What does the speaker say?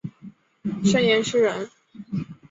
盛彦师人。